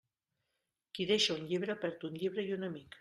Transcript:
Qui deixa un llibre, perd un llibre i un amic.